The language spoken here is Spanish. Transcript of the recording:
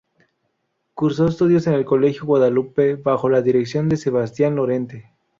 Cursó estudios en el Colegio Guadalupe, bajo la dirección de Sebastián Lorente.